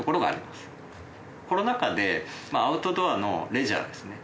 コロナ禍でアウトドアのレジャーですね